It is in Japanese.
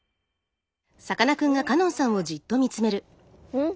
うん！